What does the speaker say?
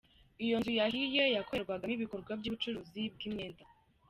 Iyo nzu yahiye yakorerwagamo ibikorwa by’ubucuruzi bw’imyenda.